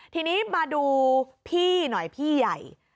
ทีนี้มาดูพี่หน่อยพี่ใหญ่